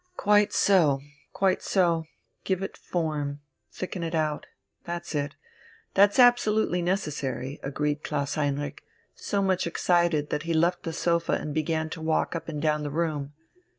"Quite so! quite so! Give it form ... thicken it out.... That's it. That's absolutely necessary," agreed Klaus Heinrich, so much excited that he left the sofa and began to walk up and down the room.